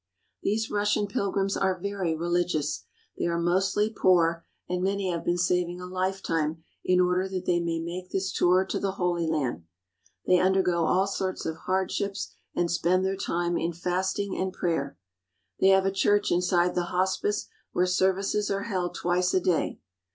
These Russian pilgrims are very religious. They are mostly poor, and many have been saving a lifetime in order that they might make this tour to the Holy Land. They undergo all sorts of hardships and spend their time in fasting and prayer. They have a church inside the hospice where services are held twice a day.